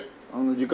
時間